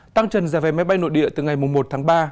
tăng trần ra về máy bay nội địa từ ngày một tháng ba